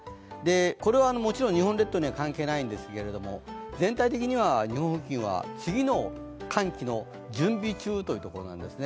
これは、もちろん日本列島には関係ないんですけども、全体的には日本付近は次の寒気の準備中というところなんですね。